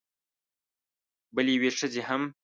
بلې یوې ښځې هم